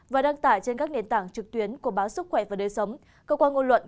và đăng tải trên các nền tảng trực tuyến của báo sức khỏe và đời sống cơ quan ngôn luận